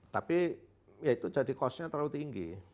tapi ya itu jadi costnya terlalu tinggi